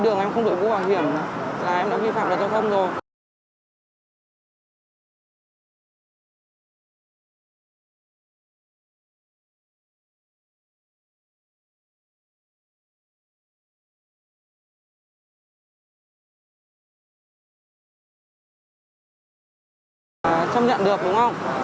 rồi anh cảm ơn